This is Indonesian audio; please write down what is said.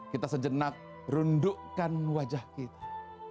kita sejenak rundukkan wajah kita